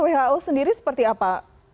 who sendiri seperti apa